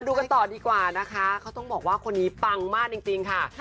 ดูกันต่อดีกว่านะคะเขาต้องบอกว่าคนนี้ปังมากจริงค่ะ